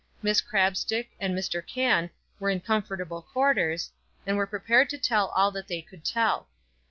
Miss Crabstick and Mr. Cann were in comfortable quarters, and were prepared to tell all that they could tell.